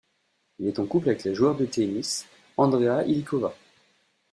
Il est en couple avec la joueur de tennis, Andrea Holikova.